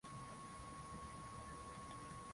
kavyo kuwa pamoja na kutekelezwa kwa maazimio